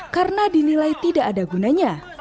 karena dinilai tidak ada gunanya